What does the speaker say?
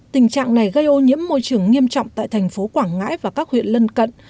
tình trạng này gây ô nhiễm môi trường nghiêm trọng tại thành phố quảng ngãi và các huyện lân cận